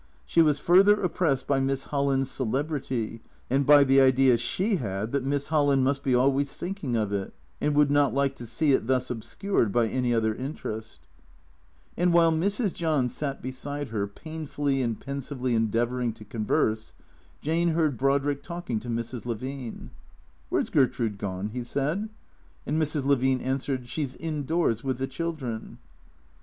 She was further oppressed by Miss Holland's celebrity, and by the idea she had that Miss Holland must be always thinking of it and would not like to see it thus obscured by any other interest. 172 THECEEATOKS And while Mrs. John sat beside her, painfully and pensively endeavouring to converse, Jane heard Brodrick talking to Mra. Levine, " "VMiere 's Gertrude gone ?" he said. And Mrs. Levine answered, " She 's indoors with the chil dren."